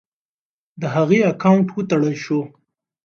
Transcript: د هغې اکاونټ وتړل شو.